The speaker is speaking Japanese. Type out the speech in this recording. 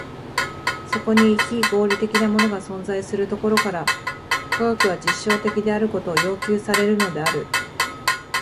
そこに非合理的なものが存在するところから、科学は実証的であることを要求されるのである。